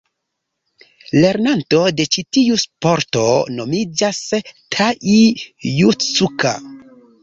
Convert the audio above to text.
Lernanto de ĉi tiu sporto nomiĝas Tai-Jutsuka.